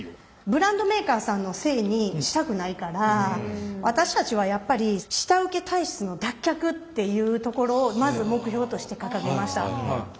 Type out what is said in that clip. ブランドメーカーさんのせいにしたくないから私たちはやっぱり下請け体質の脱却っていうところをまず目標として掲げました。